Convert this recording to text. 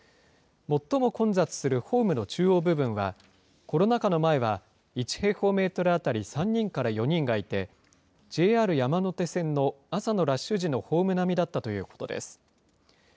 最も混雑するホームの中央部分は、コロナ禍の前は１平方メートル当たり３人から４人がいて、ＪＲ山手線の朝のラッシュ時のホーム並みだったということです。